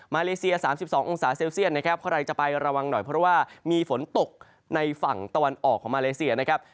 เลเซีย๓๒องศาเซลเซียตนะครับใครจะไประวังหน่อยเพราะว่ามีฝนตกในฝั่งตะวันออกของมาเลเซียนะครับ